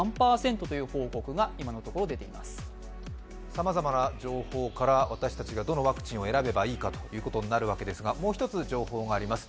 さまざまな情報から私たちがどのワクチンを選ぶかということですがもう１つ情報があります。